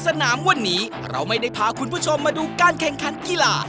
สนามวันนี้เราไม่ได้พาคุณผู้ชมมาดูการแข่งขันกีฬา